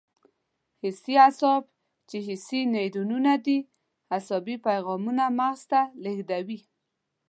حسي اعصاب چې حسي نیورونونه دي عصبي پیغامونه مغز ته لېږدوي.